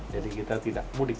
jadi kita tidak mudik